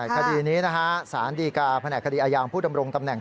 คดีนี้นะฮะสารดีกาแผนกคดีอายามผู้ดำรงตำแหน่ง